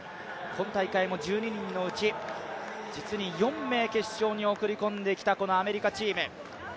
今大会も１２人のうち実に４名決勝に送り込んできたアメリカチーム。